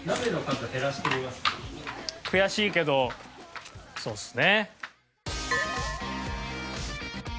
悔しいけどそうですね。